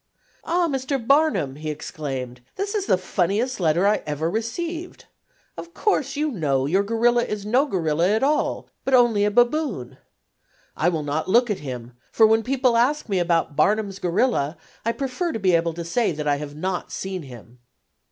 "Ah, Mr. Barnum," he exclaimed, "this is the funniest letter I ever received. Of course, you know your gorilla' is no gorilla at all, but only a baboon. I will not look at him, for when people ask me about 'Barnum's gorilla,' I prefer to be able to say that I have not seen him."